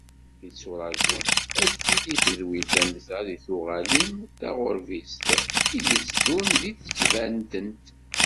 Yetturaǧu, ad d-tili tedwilt am ta deg tuɣalin taɣurbizt, i d-itteddun deg Tbatent.